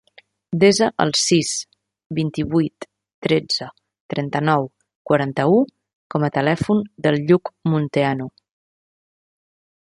Desa el sis, vint-i-vuit, tretze, trenta-nou, quaranta-u com a telèfon del Lluc Munteanu.